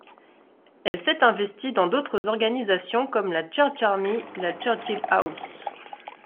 Elle s'est investie dans d'autres organisations comme la Church Army, la Churchill House.